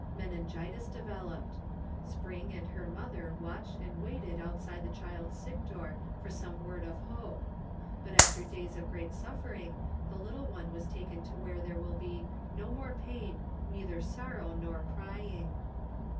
Meningitis developed. Spring and her mother watched and waited outside the child's sick door for some word of hope. But after days of great suffering the little one was taken to where there will be "no more pain, neither sorrow nor crying."